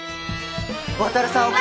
渉さんを。